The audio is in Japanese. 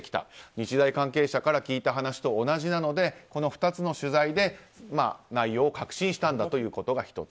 日大関係者から聞いた話と同じなのでこの２つの取材で、内容を確信したんだということが１つ。